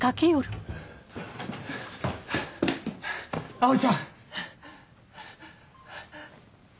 葵ちゃん！